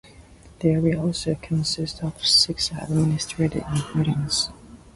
The area also consists of six administrative "mubans" ("village")